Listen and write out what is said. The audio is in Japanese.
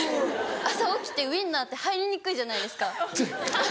朝起きてウインナーって入りにくいじゃないですか。